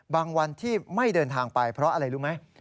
วันที่ไม่เดินทางไปเพราะอะไรรู้ไหม